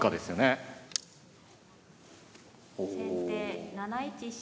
先手７一飛車。